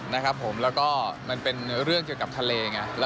แล้วก็มันเป็นเรื่องเกี่ยวกับทะเล